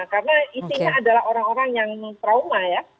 karena isinya adalah orang orang yang trauma ya